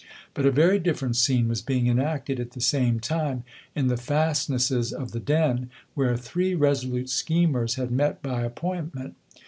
But a very different scene was being enacted at the same time in the fastnesses of the Den, where three resolute schemers had met by appointment.